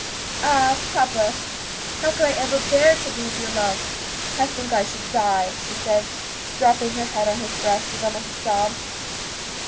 "Ah! papa, how could I ever bear to lose your love? I think I should die," she said, dropping her head on his breast, with almost a sob.